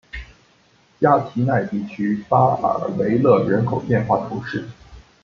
加提奈地区巴尔维勒人口变化图示